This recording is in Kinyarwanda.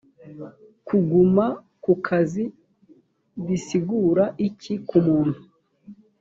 kuguma ku kazi bisigura iki ku muntu